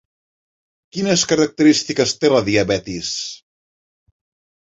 Quines característiques té la diabetis?